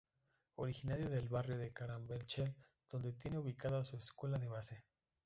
Originario del Barrio de Carabanchel donde tiene ubicada su escuela de base.